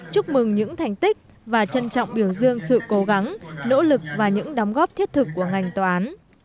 chúc mừng những thành tích và trân trọng biểu dương sự cố gắng nỗ lực và những đóng góp thiết thực của ngành tòa án